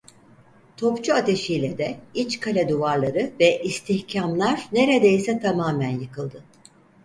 Topçu ateşiyle de iç kale duvarları ve istihkâmlar neredeyse tamamen yıkıldı.